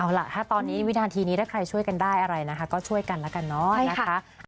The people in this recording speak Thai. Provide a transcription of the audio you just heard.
เอาล่ะถ้าตอนนี้วินาทีนี้ถ้าใครช่วยกันได้อะไรนะคะก็ช่วยกันแล้วกันเนาะนะคะ